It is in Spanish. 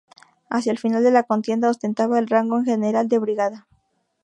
Hacia el final de la contienda ostentaba el rango de general de brigada.